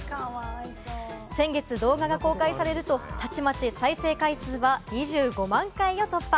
先月、動画が公開されると、たちまち再生回数は２５万回を突破。